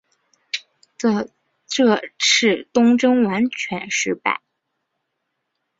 这次东征完全失败。